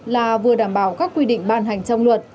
là vừa đảm bảo các quy định ban hành trong luật